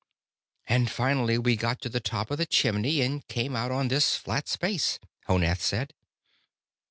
"And finally we got to the top of the chimney and came out on this flat space," Honath said.